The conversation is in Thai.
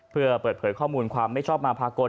เพื่อเปิดเผยข้อมูลความไม่ชอบมาพากล